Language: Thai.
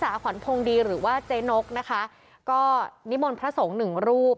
ขวัญพงดีหรือว่าเจ๊นกนะคะก็นิมนต์พระสงฆ์หนึ่งรูป